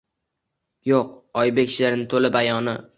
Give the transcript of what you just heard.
Yo’q Oybek she’rining to’la bayoni.